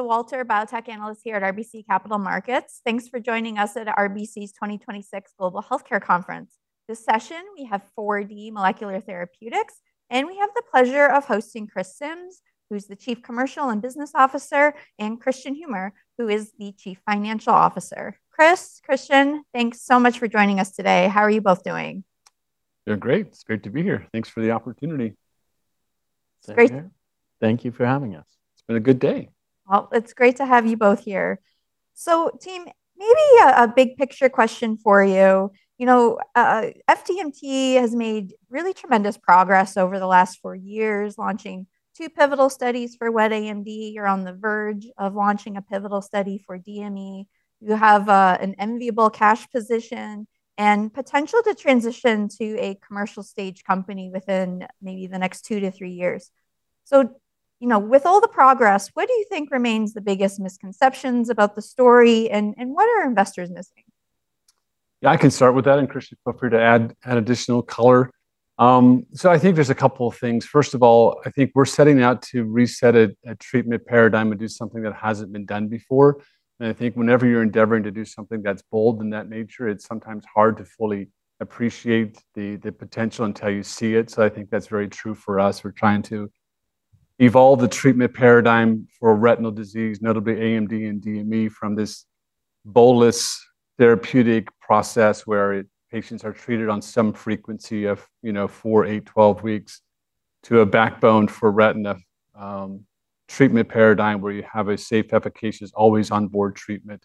Walter, biotech analyst here at RBC Capital Markets. Thanks for joining us at RBC's 2026 Global Healthcare Conference. This session, we have 4D Molecular Therapeutics, and we have the pleasure of hosting Chris Simms, who's the Chief Commercial and Business Officer, and Kristian Humer, who is the Chief Financial Officer. Chris, Kristian, thanks so much for joining us today. How are you both doing? Doing great. It's great to be here. Thanks for the opportunity. Thank you for having us. It's been a good day. Well, it's great to have you both here. Team, maybe a big picture question for you. You know, FDMT has made really tremendous progress over the last four years, launching two pivotal studies for wet AMD. You're on the verge of launching a pivotal study for DME. You have an enviable cash position and potential to transition to a commercial stage company within maybe the next 2 to 3 years. You know, with all the progress, what do you think remains the biggest misconceptions about the story, and what are investors missing? Yeah, I can start with that, and Kristian, feel free to add additional color. I think there's a couple of things. First of all, I think we're setting out to reset a treatment paradigm and do something that hasn't been done before. I think whenever you're endeavoring to do something that's bold in that nature, it's sometimes hard to fully appreciate the potential until you see it. I think that's very true for us. We're trying to evolve the treatment paradigm for retinal disease, notably AMD and DME, from this bolus therapeutic process where patients are treated on some frequency of, you know, 4, 8, 12 weeks, to a backbone for retina treatment paradigm, where you have a safe, efficacious, always onboard treatment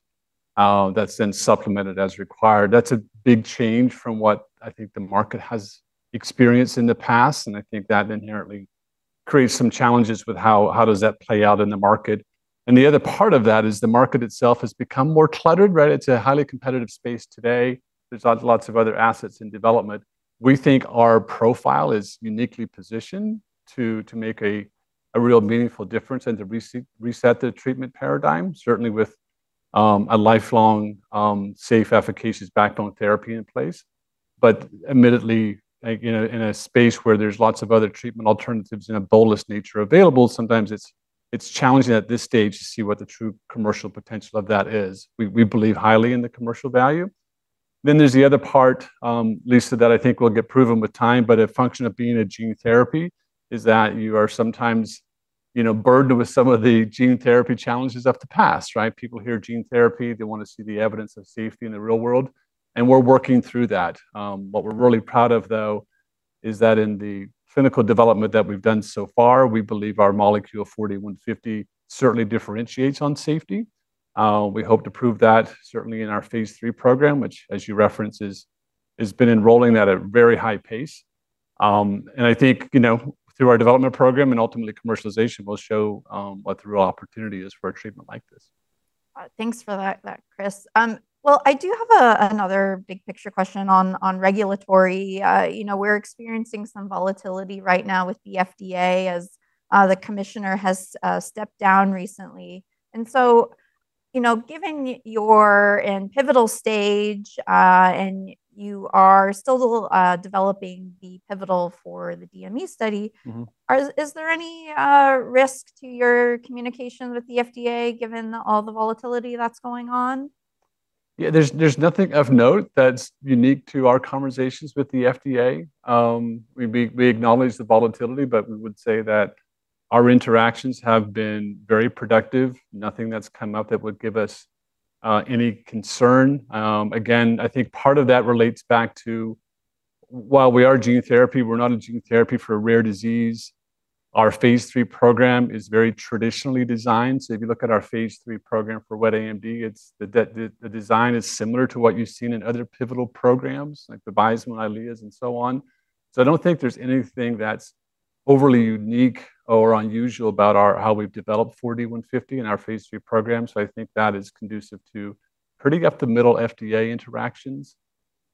that's then supplemented as required. That's a big change from what I think the market has experienced in the past, and I think that inherently creates some challenges with how does that play out in the market. The other part of that is the market itself has become more cluttered, right? It's a highly competitive space today. There's lots of other assets in development. We think our profile is uniquely positioned to make a real meaningful difference and to reset the treatment paradigm, certainly with a lifelong, safe, efficacious backbone therapy in place. Admittedly, like in a space where there's lots of other treatment alternatives in a bolus nature available, sometimes it's challenging at this stage to see what the true commercial potential of that is. We believe highly in the commercial value. There's the other part, Lisa, that I think will get proven with time, but a function of being a gene therapy is that you are sometimes, you know, burdened with some of the gene therapy challenges of the past, right? People hear gene therapy, they wanna see the evidence of safety in the real world, and we're working through that. What we're really proud of, though, is that in the clinical development that we've done so far, we believe our molecule 4D-150 certainly differentiates on safety. We hope to prove that certainly in our Phase III program, which as you referenced has been enrolling at a very high pace. I think, you know, through our development program and ultimately commercialization, we'll show what the real opportunity is for a treatment like this. Thanks for that Chris. Well, I do have another big picture question on regulatory. You know, we're experiencing some volatility right now with the FDA as the commissioner has stepped down recently. You know, given you're in pivotal stage, and you are still developing the pivotal for the DME study. Is there any risk to your communication with the FDA given all the volatility that's going on? There's nothing of note that's unique to our conversations with the FDA. We acknowledge the volatility, we would say that our interactions have been very productive. Nothing that's come up that would give us any concern. Again, I think part of that relates back to while we are gene therapy, we're not a gene therapy for a rare disease. Our Phase III program is very traditionally designed. If you look at our phase III program for wet AMD, the design is similar to what you've seen in other pivotal programs like VABYSMO, EYLEA, and so on. I don't think there's anything that's overly unique or unusual about how we've developed 4D-150 in our Phase III program. I think that is conducive to pretty up the middle FDA interactions.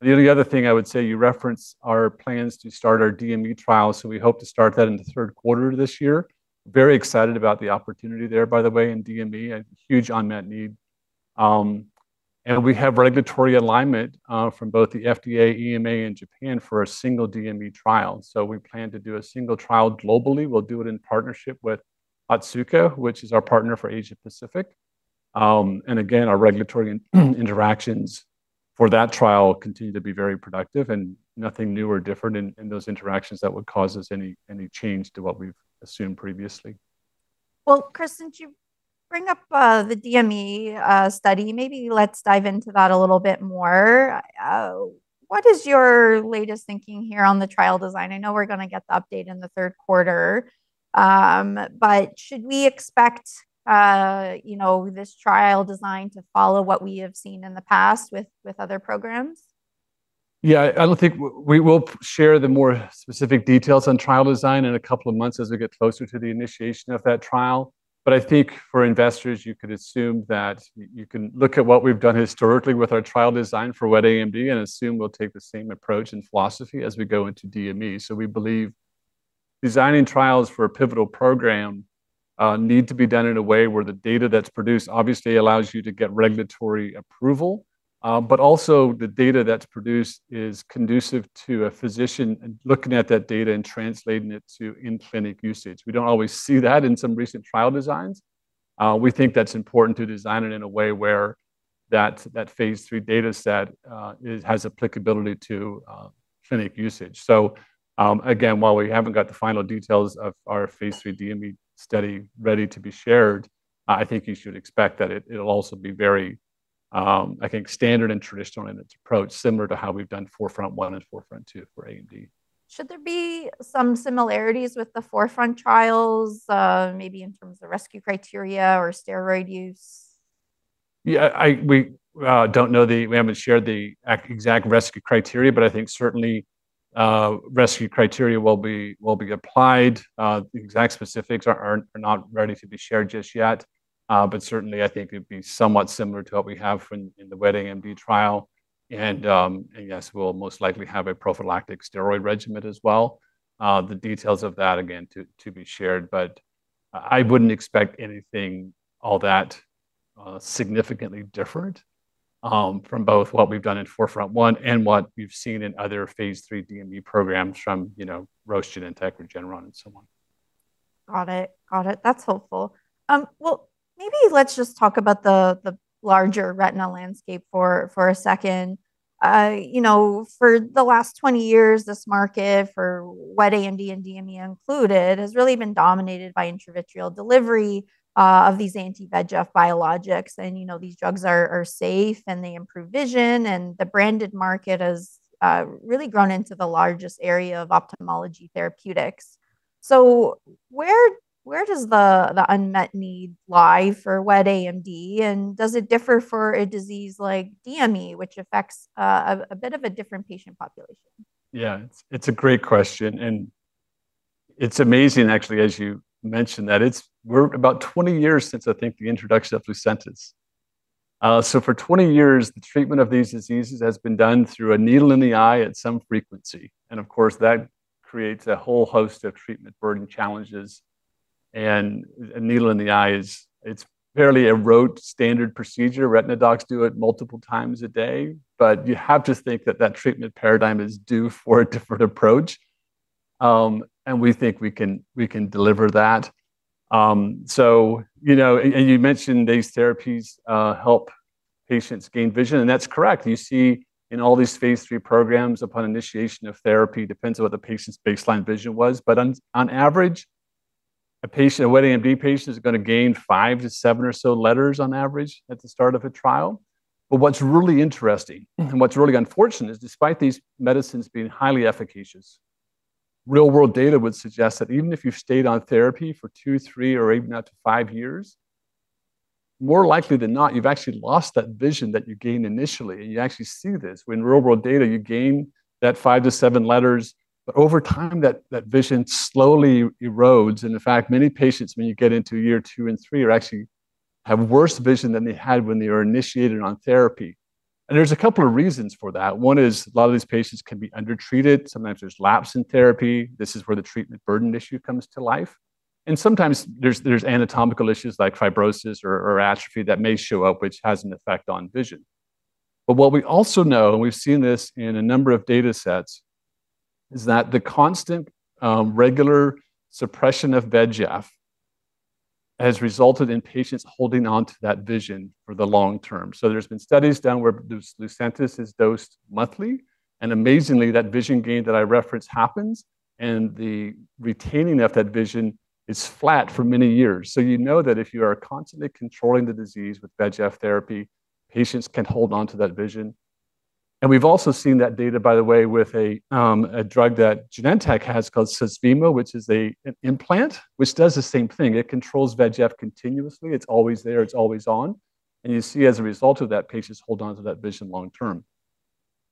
The only other thing I would say, you referenced our plans to start our DME trial, so we hope to start that in the third quarter of this year. Very excited about the opportunity there, by the way, in DME, a huge unmet need. We have regulatory alignment from both the FDA, EMA, and Japan for a single DME trial. We plan to do a single trial globally. We'll do it in partnership with Otsuka, which is our partner for Asia-Pacific. Again, our regulatory interactions for that trial continue to be very productive and nothing new or different in those interactions that would cause us any change to what we've assumed previously. Well, Chris, since you bring up the DME study, maybe let's dive into that a little bit more. What is your latest thinking here on the trial design? I know we're gonna get the update in the third quarter, should we expect, you know, this trial design to follow what we have seen in the past with other programs? Yeah. I think we will share the more specific details on trial design in a couple of months as we get closer to the initiation of that trial. I think for investors, you could assume that you can look at what we've done historically with our trial design for wet AMD and assume we'll take the same approach and philosophy as we go into DME. We believe designing trials for a pivotal program need to be done in a way where the data that's produced obviously allows you to get regulatory approval, but also the data that's produced is conducive to a physician looking at that data and translating it to in-clinic usage. We don't always see that in some recent trial designs. We think that's important to design it in a way where that Phase III data set has applicability to clinic usage. Again, while we haven't got the final details of our Phase III DME study ready to be shared, I think you should expect that it'll also be very standard and traditional in its approach, similar to how we've done 4FRONT-1 and 4FRONT-2 for AMD. Should there be some similarities with the 4FRONT trials, maybe in terms of rescue criteria or steroid use? We haven't shared the exact rescue criteria, but I think certainly, rescue criteria will be applied. The exact specifics are not ready to be shared just yet. Certainly, I think it'd be somewhat similar to what we have in the wet AMD trial. Yes, we'll most likely have a prophylactic steroid regimen as well. The details of that again to be shared, but I wouldn't expect anything all that significantly different from both what we've done in 4FRONT-1 and what we've seen in other Phase III DME programs from, you know, Roche, Genentech, or Regeneron. Got it. That's helpful. Well, maybe let's just talk about the larger retina landscape for a second. You know, for the last 20 years, this market for wet AMD and DME included, has really been dominated by intravitreal delivery of these anti-VEGF biologics. You know, these drugs are safe, and they improve vision, and the branded market has really grown into the largest area of ophthalmology therapeutics. Where does the unmet need lie for wet AMD, and does it differ for a disease like DME, which affects a bit of a different patient population? It's a great question. It's amazing, actually, as you mentioned, that we're about 20 years since, I think, the introduction of LUCENTIS. For 20 years, the treatment of these diseases has been done through a needle in the eye at some frequency. Of course, that creates a whole host of treatment burden challenges. A needle in the eye, it's fairly a rote standard procedure. Retina docs do it multiple times a day. You have to think that that treatment paradigm is due for a different approach. We think we can deliver that. You know, and you mentioned these therapies help patients gain vision, and that's correct. You see in all these Phase III programs upon initiation of therapy, depends on what the patient's baseline vision was. On average, a patient, a wet AMD patient is gonna gain five to seven or so letters on average at the start of a trial. What's really interesting and what's really unfortunate is despite these medicines being highly efficacious, real-world data would suggest that even if you stayed on therapy for 2, 3, or even up to 5 years, more likely than not, you've actually lost that vision that you gained initially. You actually see this. With real-world data, you gain that five to seven letters, but over time, that vision slowly erodes. In fact, many patients, when you get into year 2 and 3, actually have worse vision than they had when they were initiated on therapy. There's a couple of reasons for that. One is a lot of these patients can be undertreated. Sometimes there's lapse in therapy. This is where the treatment burden issue comes to life. Sometimes there's anatomical issues like fibrosis or atrophy that may show up, which has an effect on vision. What we also know, and we've seen this in a number of datasets, is that the constant regular suppression of VEGF has resulted in patients holding on to that vision for the long term. There's been studies done where LUCENTIS is dosed monthly, and amazingly, that vision gain that I referenced happens, and the retaining of that vision is flat for many years. You know that if you are constantly controlling the disease with VEGF therapy, patients can hold on to that vision. We've also seen that data, by the way, with a drug that Genentech has called Susvimo, which is an implant which does the same thing. It controls VEGF continuously. It's always there. It's always on. You see as a result of that, patients hold on to that vision long term.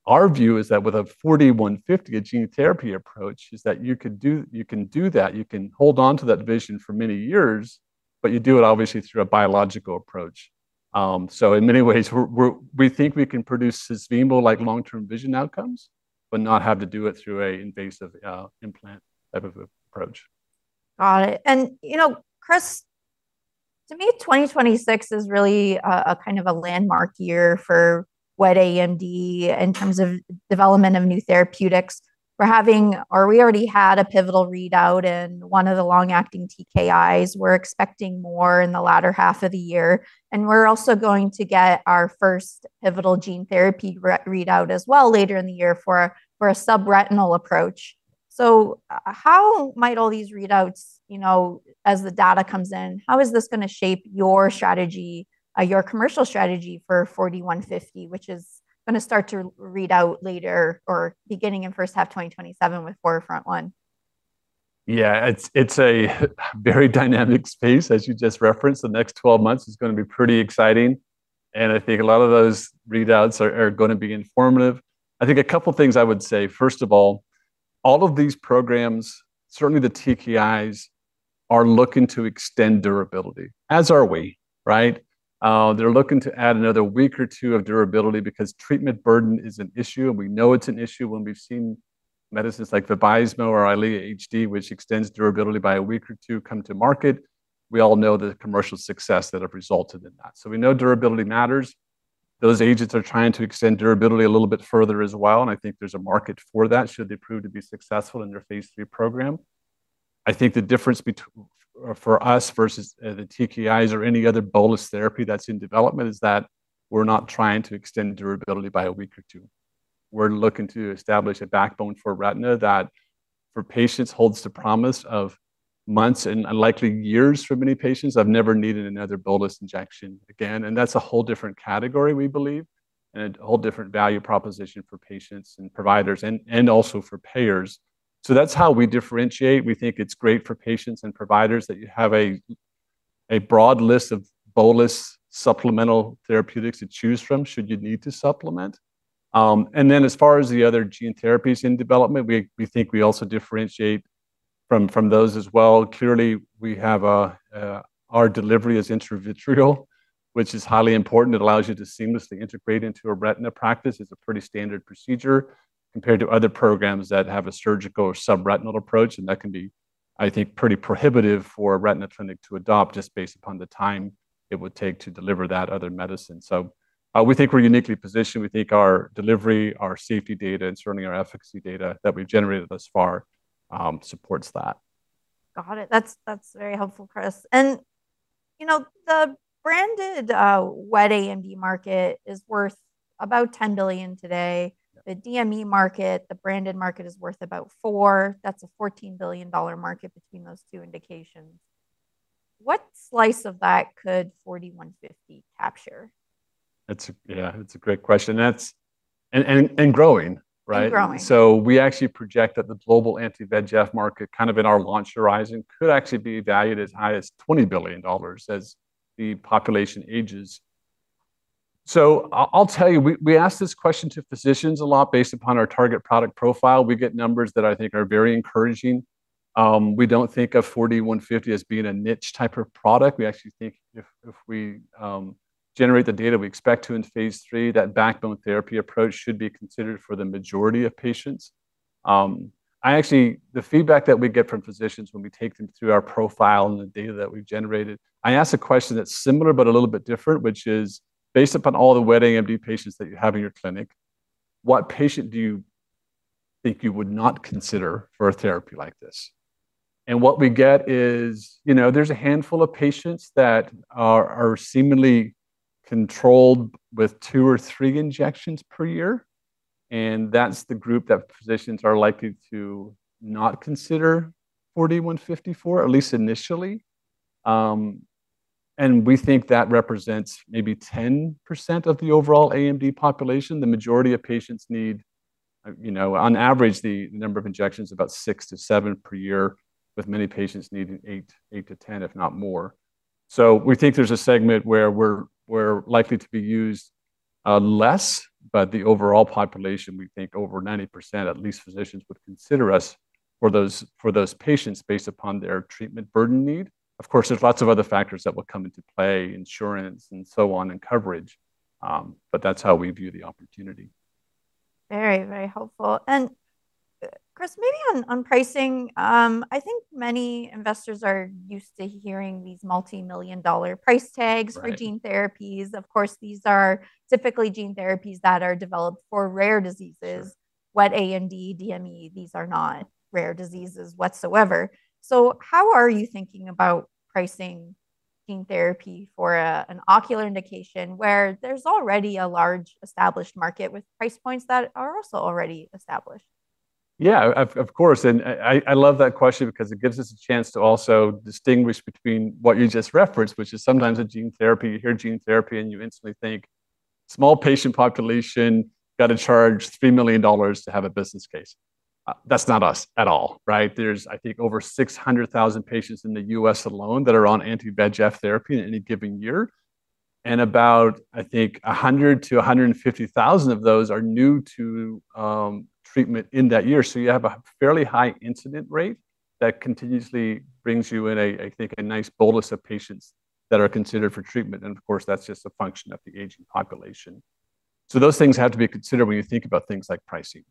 Our view is that with a 4D-150, a gene therapy approach, is that you can do that. You can hold on to that vision for many years, but you do it obviously through a biological approach. In many ways, we think we can produce Susvimo-like long-term vision outcomes but not have to do it through a invasive implant type of approach. Got it. You know, Chris, to me, 2026 is really a kind of a landmark year for wet AMD in terms of development of new therapeutics. We're having or we already had a pivotal readout in one of the long-acting TKIs. We're expecting more in the latter half of the year. We're also going to get our first pivotal gene therapy re-readout as well later in the year for a subretinal approach. How might all these readouts, you know, as the data comes in, how is this gonna shape your strategy, your commercial strategy for 4D-150, which is gonna start to read out later or beginning in 1st half 2027 with 4FRONT-1? Yeah. It's a very dynamic space, as you just referenced. The next 12 months is gonna be pretty exciting, and I think a lot of those readouts are gonna be informative. I think a couple things I would say. First of all of these programs, certainly the TKIs, are looking to extend durability, as are we, right? They're looking to add another week or 2 of durability because treatment burden is an issue, and we know it's an issue when we've seen Medicines like VABYSMO or EYLEA HD, which extends durability by a week or 2, come to market. We all know the commercial success that have resulted in that. We know durability matters. Those agents are trying to extend durability a little bit further as well, and I think there's a market for that should they prove to be successful in their Phase III program. I think the difference between- for us versus the TKIs or any other bolus therapy that's in development is that we're not trying to extend durability by a week or 2. We're looking to establish a backbone for retina that, for patients, holds the promise of months and likely years for many patients of never needing another bolus injection again, and that's a whole different category we believe, and a whole different value proposition for patients and providers and also for payers. So that's how we differentiate. We think it's great for patients and providers that you have a broad list of bolus supplemental therapeutics to choose from should you need to supplement. And then as far as the other gene therapies in development, we think we also differentiate from those as well. Clearly, we have our delivery is intravitreal, which is highly important. It allows you to seamlessly integrate into a retina practice. It's a pretty standard procedure compared to other programs that have a surgical or subretinal approach, and that can be, I think, pretty prohibitive for a retina clinic to adopt just based upon the time it would take to deliver that other medicine. We think we're uniquely positioned. We think our delivery, our safety data, and certainly our efficacy data that we've generated thus far, supports that. Got it. That's very helpful, Chris. You know, the branded wet AMD market is worth about $10 billion today. The DME market, the branded market is worth about $4 billion. That's a $14 billion market between those two indications. What slice of that could 4D-150 capture? That's Yeah, that's a great question. That's and growing, right? Growing. We actually project that the global anti-VEGF market, kind of in our launch horizon, could actually be valued as high as $20 billion as the population ages. I'll tell you, we ask this question to physicians a lot based upon our target product profile. We get numbers that I think are very encouraging. We don't think of 4D-150 as being a niche type of product. We actually think if we generate the data we expect to in phase III, that backbone therapy approach should be considered for the majority of patients. The feedback that we get from physicians when we take them through our profile and the data that we've generated, I ask a question that's similar but a little bit different, which is, "Based upon all the wet AMD patients that you have in your clinic, what patient do you think you would not consider for a therapy like this?" What we get is, you know, there's a handful of patients that are seemingly controlled with 2 or 3 injections per year, and that's the group that physicians are likely to not consider 4D-150 for, at least initially. We think that represents maybe 10% of the overall AMD population. The majority of patients need, you know, on average, the number of injections about 6-7 per year, with many patients needing 8-10, if not more. We think there's a segment where we're likely to be used less, but the overall population, we think over 90% at least physicians would consider us for those patients based upon their treatment burden need. Of course, there's lots of other factors that will come into play, insurance and so on, and coverage, but that's how we view the opportunity. Very, very helpful. Chris, maybe on pricing, I think many investors are used to hearing these multi-million-dollar price tags for gene therapies. Of course, these are typically gene therapies that are developed for rare diseases. Wet AMD, DME, these are not rare diseases whatsoever. How are you thinking about pricing gene therapy for an ocular indication where there's already a large established market with price points that are also already established? Yeah, of course. I love that question because it gives us a chance to also distinguish between what you just referenced, which is sometimes a gene therapy. You hear gene therapy, and you instantly think small patient population, gotta charge $3 million to have a business case. That's not us at all, right? There's, I think, over 600,000 patients in the U.S. alone that are on anti-VEGF therapy in any given year. About, I think, 100,000-150,000 of those are new to treatment in that year. You have a fairly high incident rate that continuously brings you in a, I think, a nice bolus of patients that are considered for treatment. Of course, that's just a function of the aging population. Those things have to be considered when you think about things like pricing.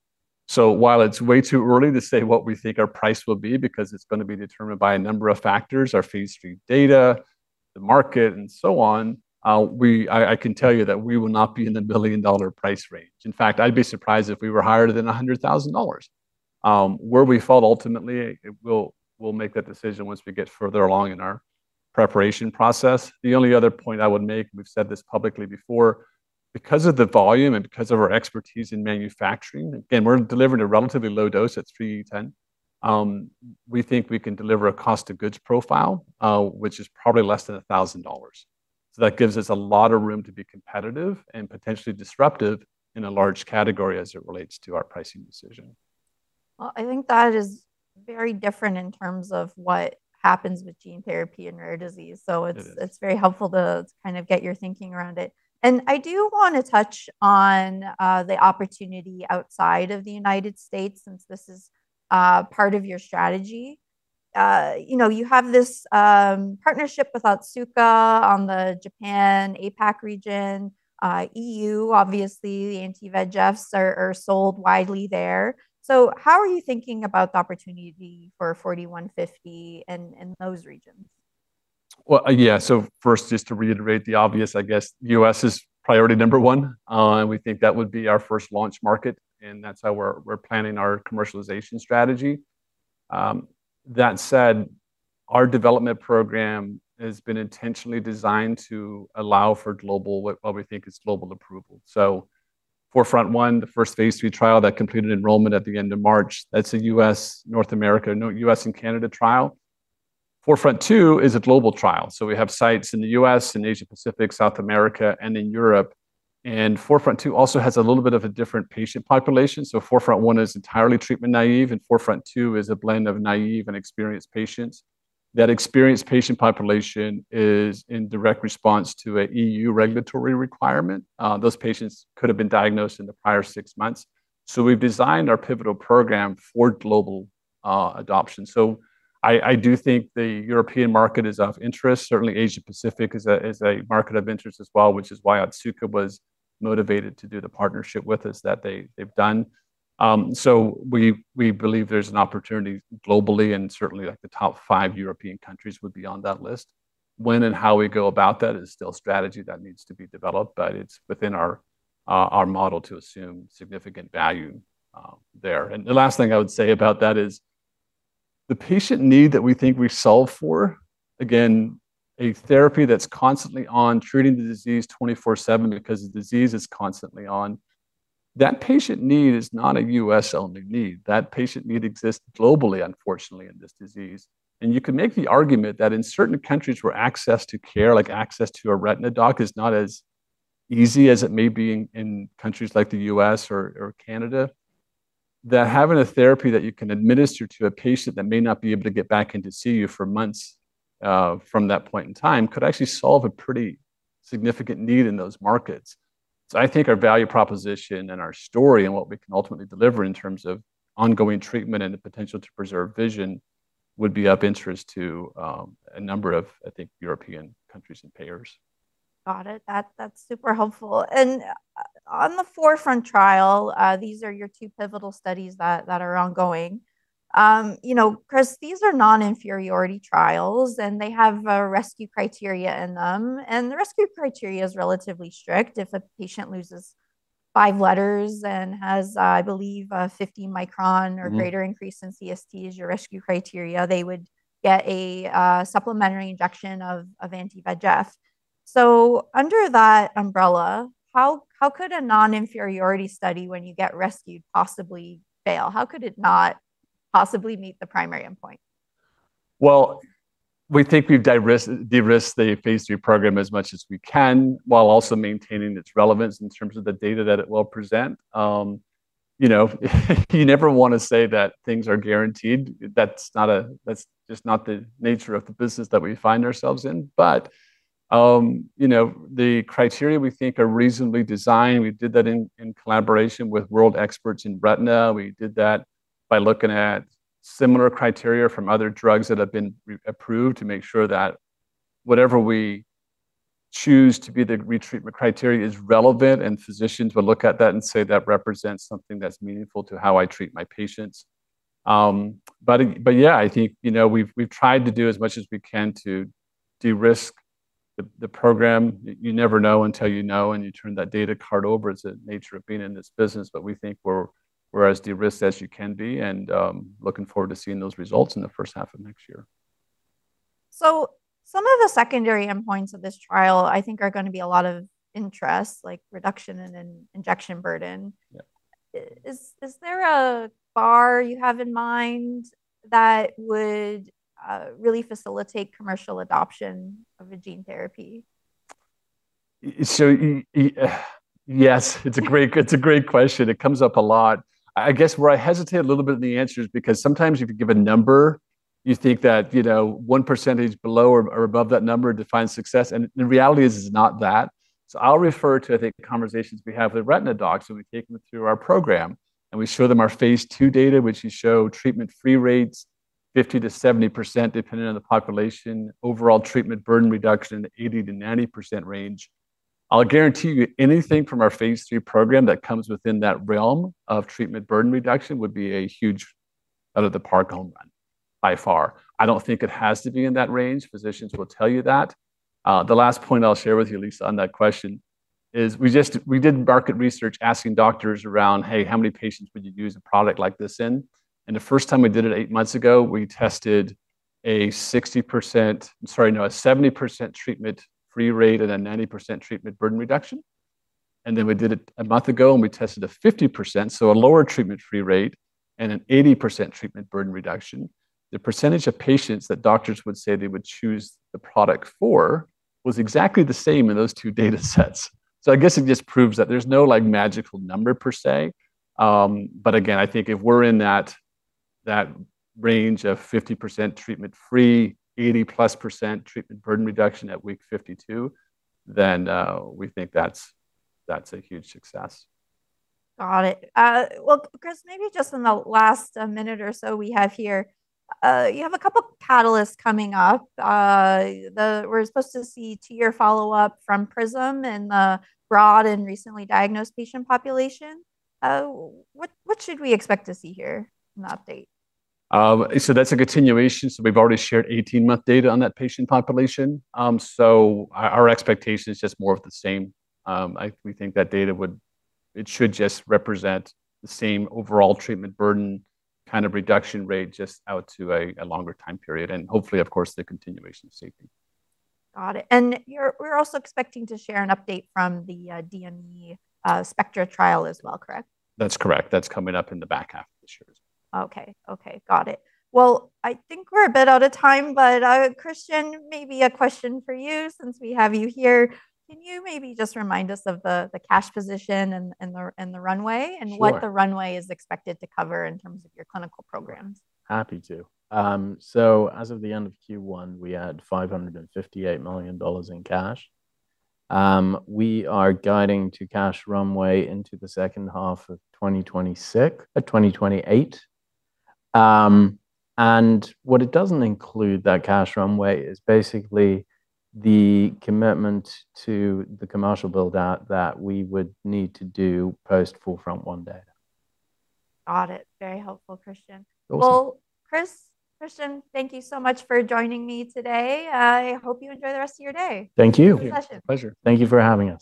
While it's way too early to say what we think our price will be because it's gonna be determined by a number of factors, our Phase III data, the market, and so on, I can tell you that we will not be in the million-dollar price range. In fact, I'd be surprised if we were higher than $100,000. Where we fall ultimately, we'll make that decision once we get further along in our preparation process. The only other point I would make, we've said this publicly before, because of the volume and because of our expertise in manufacturing, again, we're delivering a relatively low dose at 3E10. We think we can deliver a cost of goods profile, which is probably less than $1,000. That gives us a lot of room to be competitive and potentially disruptive in a large category as it relates to our pricing decision. Well, I think that is very different in terms of what happens with gene therapy and rare disease. It is. It's very helpful to kind of get your thinking around it. I do wanna touch on the opportunity outside of the United States since this is part of your strategy. You know, you have this partnership with Otsuka on the Japan APAC region. E.U. obviously, the anti-VEGFs are sold widely there. How are you thinking about the opportunity for 4D-150 in those regions? First, just to reiterate the obvious, I guess U.S. is priority number one. We think that would be our first launch market, and that's how we're planning our commercialization strategy. That said, our development program has been intentionally designed to allow for global, what we think is global approval. So 4FRONT-1, the first Phase III trial that completed enrollment at the end of March, that's a U.S., North America, no, U.S. and Canada trial. 4FRONT-2 is a global trial, we have sites in the U.S. and Asia-Pacific, South America, and in Europe. 4FRONT-2 also has a little bit of a different patient population. 4FRONT-1 is entirely treatment naive, 4FRONT-2 is a blend of naive and experienced patients. That experienced patient population is in direct response to a E.U. regulatory requirement. Those patients could have been diagnosed in the prior 6 months. We've designed our pivotal program for global adoption. I do think the European market is of interest. Certainly, Asia-Pacific is a, is a market of interest as well, which is why Otsuka was motivated to do the partnership with us that they've done. We, we believe there's an opportunity globally, and certainly, like the top 5 European countries would be on that list. When and how we go about that is still strategy that needs to be developed, but it's within our model to assume significant value there. The last thing I would say about that is the patient need that we think we solve for, again, a therapy that's constantly on treating the disease 24/7 because the disease is constantly on, that patient need is not a U.S.-only need. That patient need exists globally, unfortunately, in this disease. You could make the argument that in certain countries where access to care like access to a retina doc is not as easy as it may be in countries like the U.S. or Canada, that having a therapy that you can administer to a patient that may not be able to get back in to see you for months from that point in time could actually solve a pretty significant need in those markets. I think our value proposition and our story and what we can ultimately deliver in terms of ongoing treatment and the potential to preserve vision would be of interest to a number of, I think, European countries and payers. Got it. That's super helpful. On the 4FRONT trial, these are your two pivotal studies that are ongoing. You know, Chris, these are non-inferiority trials. They have a rescue criteria in them. The rescue criteria are relatively strict. If a patient loses five letters and has, I believe, a 50-micron greater increase in CST as your rescue criteria, they will get a supplementary injection of anti-VEGF. Under that umbrella, how could a non-inferiority study when you get rescued possibly fail? How could it not possibly meet the primary endpoint? Well, we think we've derisked the Phase III program as much as we can while also maintaining its relevance in terms of the data that it will present. You know, you never wanna say that things are guaranteed. That's just not the nature of the business that we find ourselves in. You know, the criteria we think are reasonably designed. We did that in collaboration with world experts in retina. We did that by looking at similar criteria from other drugs that have been re-approved to make sure that whatever we choose to be the retreatment criteria is relevant, and physicians will look at that and say, "That represents something that's meaningful to how I treat my patients." Yeah, I think, you know, we've tried to do as much as we can to derisk the program. You never know until you know, and you turn that data card over. It's the nature of being in this business. We think we're as derisked as you can be, and looking forward to seeing those results in the first half of next year. Some of the secondary endpoints of this trial, I think, are going to be a lot of interest, like reduction in injection burden. Yeah. Is there a bar you have in mind that would really facilitate commercial adoption of a gene therapy? Yes. It's a great, it's a great question. It comes up a lot. I guess where I hesitate a little bit in the answer is because sometimes if you give a number, you think that, you know, 1% below or above that number defines success. The reality is it's not that. I'll refer to, I think, the conversations we have with retina docs when we take them through our program, and we show them our Phase II data, which we show treatment-free rates 50%-70% depending on the population, overall treatment burden reduction 80%-90% range. I'll guarantee you anything from our phase III program that comes within that realm of treatment burden reduction would be a huge out of the park home run by far. I don't think it has to be in that range. Physicians will tell you that. The last point I'll share with you, Lisa, on that question is we did market research asking doctors around, "Hey, how many patients would you use a product like this in?" The first time we did it 8 months ago, we tested a 60% sorry about that, 70% treatment-free rate and a 90% treatment burden reduction. Then we did it 1 month ago, and we tested a 50%, so a lower treatment-free rate, and an an 80% treatment burden reduction. The percentage of patients that doctors would say they would choose the product for was exactly the same in those 2 data sets. I guess it just proves that there's no, like, magical number per say. Again, I think if we're in that range of 50% treatment free, 80%+ treatment burden reduction at week 52, then, we think that's a huge success. Got it. Well, Chris, maybe just in the last minute or so we have here, you have a couple catalysts coming up. We're supposed to see two-year follow-up from PRISM in the broad and recently diagnosed patient population. What should we expect to see here in the update? That's a continuation. We've already shared 18-month data on that patient population. We think it should just represent the same overall treatment burden kind of reduction rate just out to a longer time period. Hopefully, of course, the continuation of safety. Got it. We're also expecting to share an update from the DME SPECTRA trial as well, correct? That's correct. That's coming up in the back half of this year as well. Okay. Okay. Got it. Well, I think we're a bit out of time. Kristian, maybe a question for you since we have you here. Can you maybe just remind us of the cash position and the runway? Sure What the runway is expected to cover in terms of your clinical programs? Happy to. As of the end of Q1, we had $558 million in cash. We are guiding to cash runway into the second half of 2026, 2028. What it doesn't include, that cash runway, is basically the commitment to the commercial build-out that we would need to do post 4FRONT-1 data. Got it. Very helpful, Kristian. Awesome. Well, Chris, Kristian, thank you so much for joining me today. I hope you enjoy the rest of your day. Thank you. Pleasure. Thank you for having us.